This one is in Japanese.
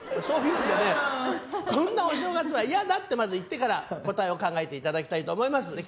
そういうこんなお正月は嫌だってまず言ってから答えを考えていただきたいと思います。